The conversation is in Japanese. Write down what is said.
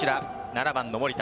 ７番の守田。